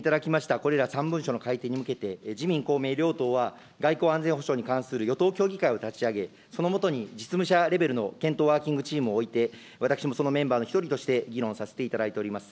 これら３文書の改定に向けて、自民、公明両党は、外交・安全保障に関する与党協議会を立ち上げ、その下に実務者レベルの検討ワーキングチームを置いて、私もそのメンバーの１人として議論させていただいております。